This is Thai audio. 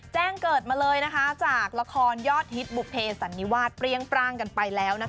แจ้งเกิดมาเลยจากละครยอดฮิตบุภเพสันนิวาสเปรี้ยงปร่างกันไปแล้ว